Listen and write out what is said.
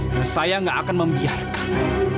dan saya gak akan membiarkan